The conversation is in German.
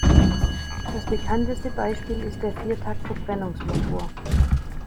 Das bekannteste Beispiel ist der Viertakt-Verbrennungsmotor.